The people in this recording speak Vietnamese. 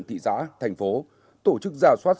thị xã thành phố tổ chức giả soát